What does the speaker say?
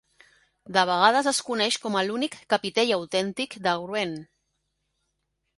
De vegades es coneix com a l'únic "capitell autèntic" de Wren.